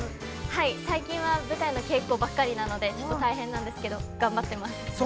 ◆はい、最近は舞台の稽古ばかりなので大変なんですけれども、頑張っています。